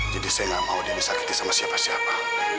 jadi saya gak mau dia disakiti sama siapa siapa